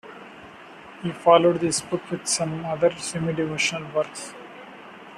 He followed this book with other semi-devotional works.